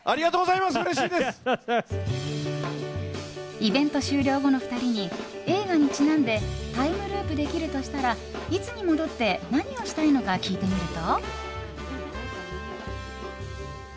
イベント終了後の２人に映画にちなんでタイムループできるとしたらいつに戻って何をしたいのか聞いてみると。